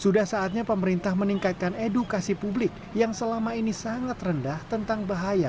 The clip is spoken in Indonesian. sudah saatnya pemerintah meningkatkan edukasi publik yang selama ini sangat rendah tentang bahayanya covid sembilan belas